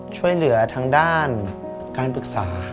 ช่วยเหลือทางด้านการปรึกษา